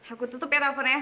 aku tutup ya teleponnya